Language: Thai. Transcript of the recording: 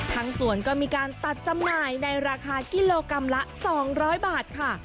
สวนก็มีการตัดจำหน่ายในราคากิโลกรัมละ๒๐๐บาทค่ะ